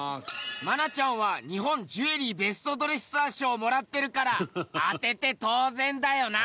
愛菜ちゃんは日本ジュエリーベストドレッサー賞をもらってるから当てて当然だよな！